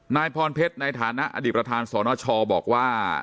นายพรเพชรในฐานะอดีตประธานสนชบอกว่า